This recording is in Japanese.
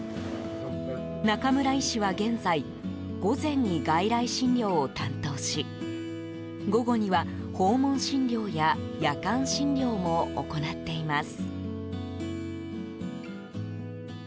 中村医師は現在午前に外来診療を担当し午後には、訪問診療や夜間診療も行っています。